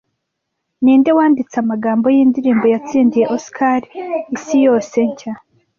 Ninde wanditse amagambo yindirimbo yatsindiye Oscar Isi Yose Nshya